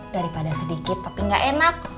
daripada sedikit tapi gak enak